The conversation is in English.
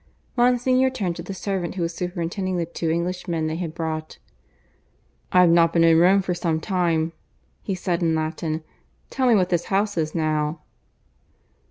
Monsignor turned to the servant who was superintending the two Englishmen they had brought. "I've not been in Rome for some time," he said in Latin. "Tell me what this house is now?"